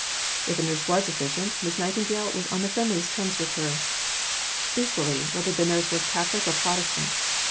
If a nurse was efficient, Miss Nightingale was on the friendliest terms with her, equally whether the nurse were Catholic or Protestant.